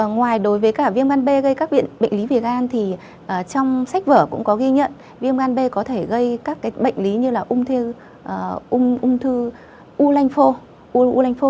ngoài đối với cả viêm gan b gây các bệnh lý về gan thì trong sách vở cũng có ghi nhận viêm gan b có thể gây các bệnh lý như là ung thư ulanho ulleng phô